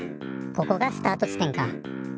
ここがスタート地点か。